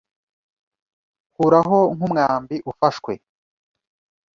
Kuraho nkumwambi ufashwe